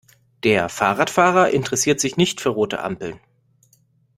Der Fahrradfahrer interessiert sich nicht für rote Ampeln.